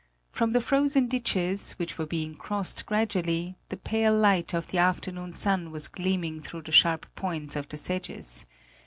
From the frozen ditches, which were being crossed gradually, the pale light of the afternoon sun was gleaming through the sharp points of the sedges.